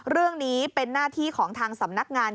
เรื่องนี้เป็นหน้าที่ของทางสำนักงาน